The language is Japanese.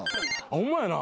ホンマやな。